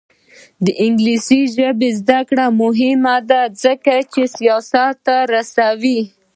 د انګلیسي ژبې زده کړه مهمه ده ځکه چې سیاست رسوي.